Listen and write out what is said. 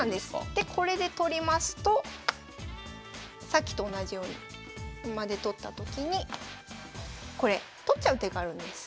でこれで取りますとさっきと同じように馬で取ったときにこれ取っちゃう手があるんです。